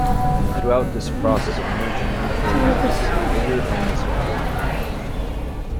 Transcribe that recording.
Through this process of merging nuclear mass, heavier elements are formed.